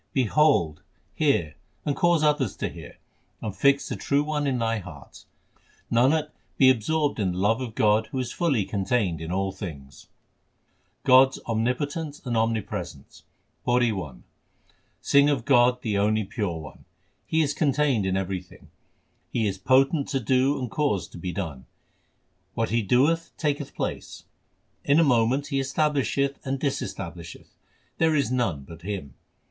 Behold, hear, and cause others to hear, and fix the True One in thy heart. Nanak, be absorbed in the love of God who is fully con tained in all things. God s omnipotence and omnipresence : PAURI I Sing of God, the only Pure One ; He is contained in every thing. He is potent to do and cause to be done : what He doeth taketh place. In a moment He establisheth and disestablisheth ; there is none but Him.